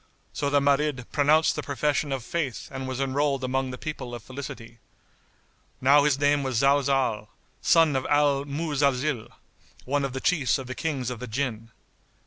So the Marid pronounced the profession of Faith and was enrolled among the people of felicity. Now his name was Zalzál, son of Al Muzalzil,[FN#70] one of the Chiefs of the Kings of the Jinn.